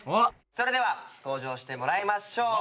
それでは登場してもらいましょう。